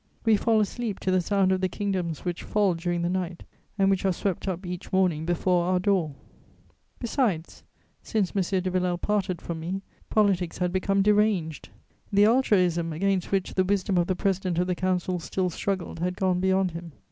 We fall asleep to the sound of the kingdoms which fall during the night and which are swept up each morning before our door. Besides, since M. de Villèle parted from me, politics had become deranged: the ultraism against which the wisdom of the President of the Council still struggled had gone beyond him.